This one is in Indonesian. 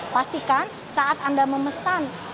pastikan saat anda memesan